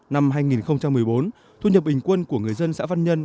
năm hai nghìn một mươi bốn thu nhập bình quân của người dân xã văn nhân